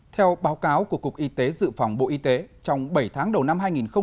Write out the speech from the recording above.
theo báo cáo của cục y tế dự phòng bộ y tế trong bảy tháng đầu năm hai nghìn hai mươi